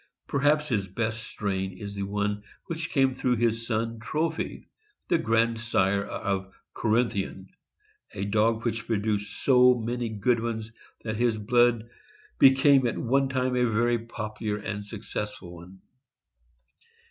Perhaps his best strain is the one which came through his son Trophy, the grandsire of Corinthian, a dog who produced so many good ones that his blood became at one time a very popular and successful one.